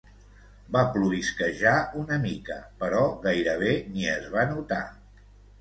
Va plovisquejar una mica, però gairebé ni es va notar.